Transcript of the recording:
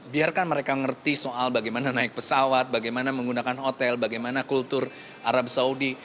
biarkan mereka ngerti soal bagaimana naik pesawat bagaimana menggunakan hotel bagaimana kultur arab saudi